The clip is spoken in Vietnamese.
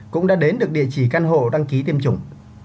cũng đã đến được địa chỉ căn hộ đăng ký tiêm chủng